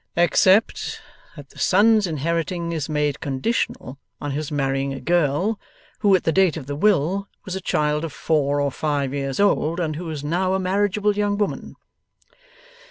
' Except that the son's inheriting is made conditional on his marrying a girl, who at the date of the will, was a child of four or five years old, and who is now a marriageable young woman.